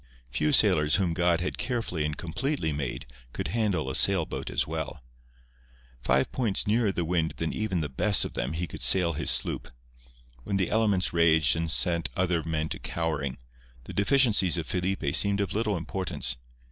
Few sailors whom God had carefully and completely made could handle a sailboat as well. Five points nearer the wind than even the best of them he could sail his sloop. When the elements raged and set other men to cowering, the deficiencies of Felipe seemed of little importance.